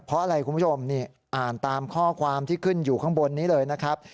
เพราะอะไรคุณผู้ชมนี่อ่านตามข้อความที่ขึ้นอยู่ข้างบนนี้เลยนะครับ